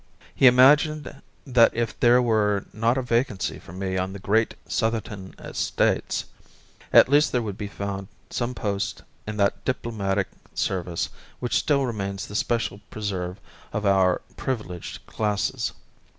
He imagined that if there were not a vacancy for me on the great Southerton Estates, at least there would be found some post in that diplomatic service which still remains the special preserve of our privileged classes.